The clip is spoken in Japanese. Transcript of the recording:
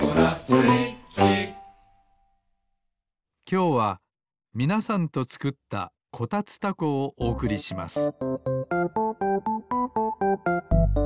きょうはみなさんとつくった「こたつたこ」をおおくりします